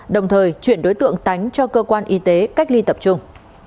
đồng thời chuyển đối tượng tánh cho cơ quan y tế cách ly tập trung